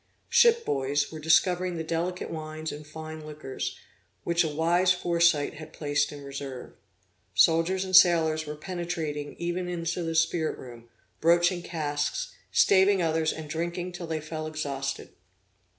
Ship boys were discovering the delicate wines and fine liquors, which a wise foresight had placed in reserve. Soldiers and sailors were penetrating even into the spirit room, broaching casks, staving others and drinking till they fell exhausted.